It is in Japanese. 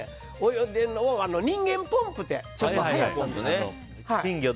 泳いでるのを、人間ポンプってはやってたんですよ。